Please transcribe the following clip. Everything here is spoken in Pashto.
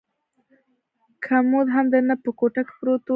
کمود هم دننه په کوټه کې پروت و.